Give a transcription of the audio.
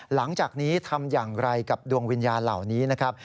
หลังจากนี้ทำอย่างไรกับดวงวิญญาณเหล่านี้นะครับ